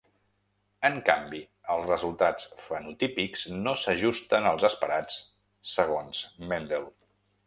En canvi, els resultats fenotípics no s'ajusten als esperats segons Mendel.